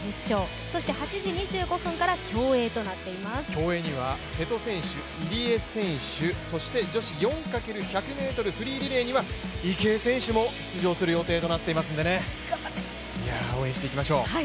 競泳には瀬戸選手、入江選手そして女子４×１００ｍフリーリレーには池江選手も出場する予定となっていますので、応援していきましょう